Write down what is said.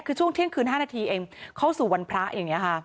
คือช่วงเที่ยงคืน๕นาทีเองข้าวสูตรวันพระเอง